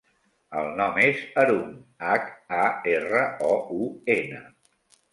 El nom és Haroun: hac, a, erra, o, u, ena.